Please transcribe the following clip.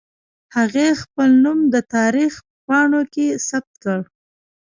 هغې خپل نوم د تاريخ په پاڼو کې ثبت کړ.